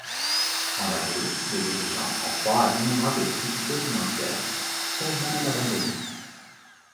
En avril, les dirigeants, en proie à d'innombrables difficultés financières, songent même à l'abandonner.